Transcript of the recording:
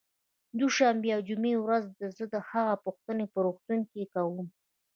دوشنبې او جمعې په ورځ زه د هغه پوښتنه په روغتون کې کوم